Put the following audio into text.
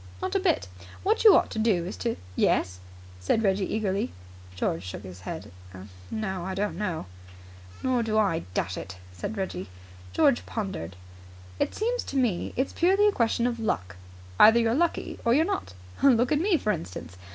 "Not a bit. What you ought to do is to " "Yes?" said Reggie eagerly. George shook his head. "No, I don't know," he said. "Nor do I, dash it!" said Reggie. George pondered. "It seems to me it's purely a question of luck. Either you're lucky or you're not. Look at me, for instance.